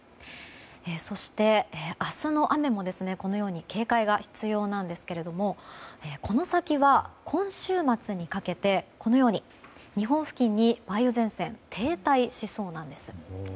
そして、明日の雨も警戒が必要なんですけどもこの先は今週末にかけて日本付近に梅雨前線が停滞しそうなんです。